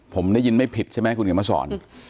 ผมได้ยินไม่ผิดใช่มั้ยคุณอย่างเมฆสอน